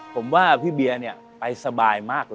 ผมว่าพี่เบียร์ไปสบายมากเลย